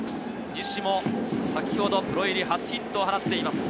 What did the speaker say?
西も先ほどプロ入り初ヒットを放っています。